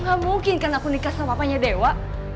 gak mungkin karena aku nikah sama papanya dewa